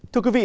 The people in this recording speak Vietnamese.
thưa quý vị